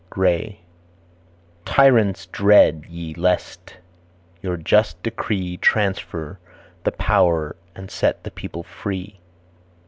Gray. "Tyrants dread ye, lest your just decree Transfer the power and set the people free."